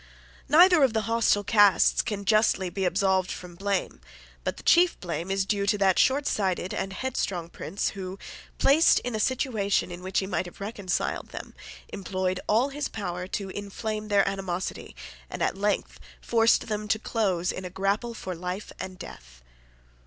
Neither of the hostile castes can justly be absolved from blame; but the chief blame is due to that shortsighted and headstrong prince who, placed in a situation in which he might have reconciled them, employed all his power to inflame their animosity, and at length forced them to close in a grapple for life and death.